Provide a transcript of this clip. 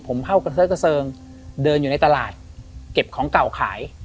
ผมเข้ากระเซิกกระเซิงเดินอยู่ในตลาดเก็บของเก่าขาย